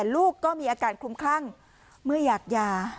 ลูกก็มีอาการคลุมคลั่งเมื่ออยากยา